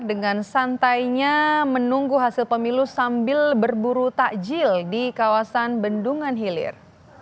dengan santainya menunggu hasil pemilu sambil berburu takjil di kawasan bendungan hilir